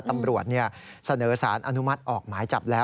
ตำรวจเสนอสารอนุมัติออกหมายจับแล้ว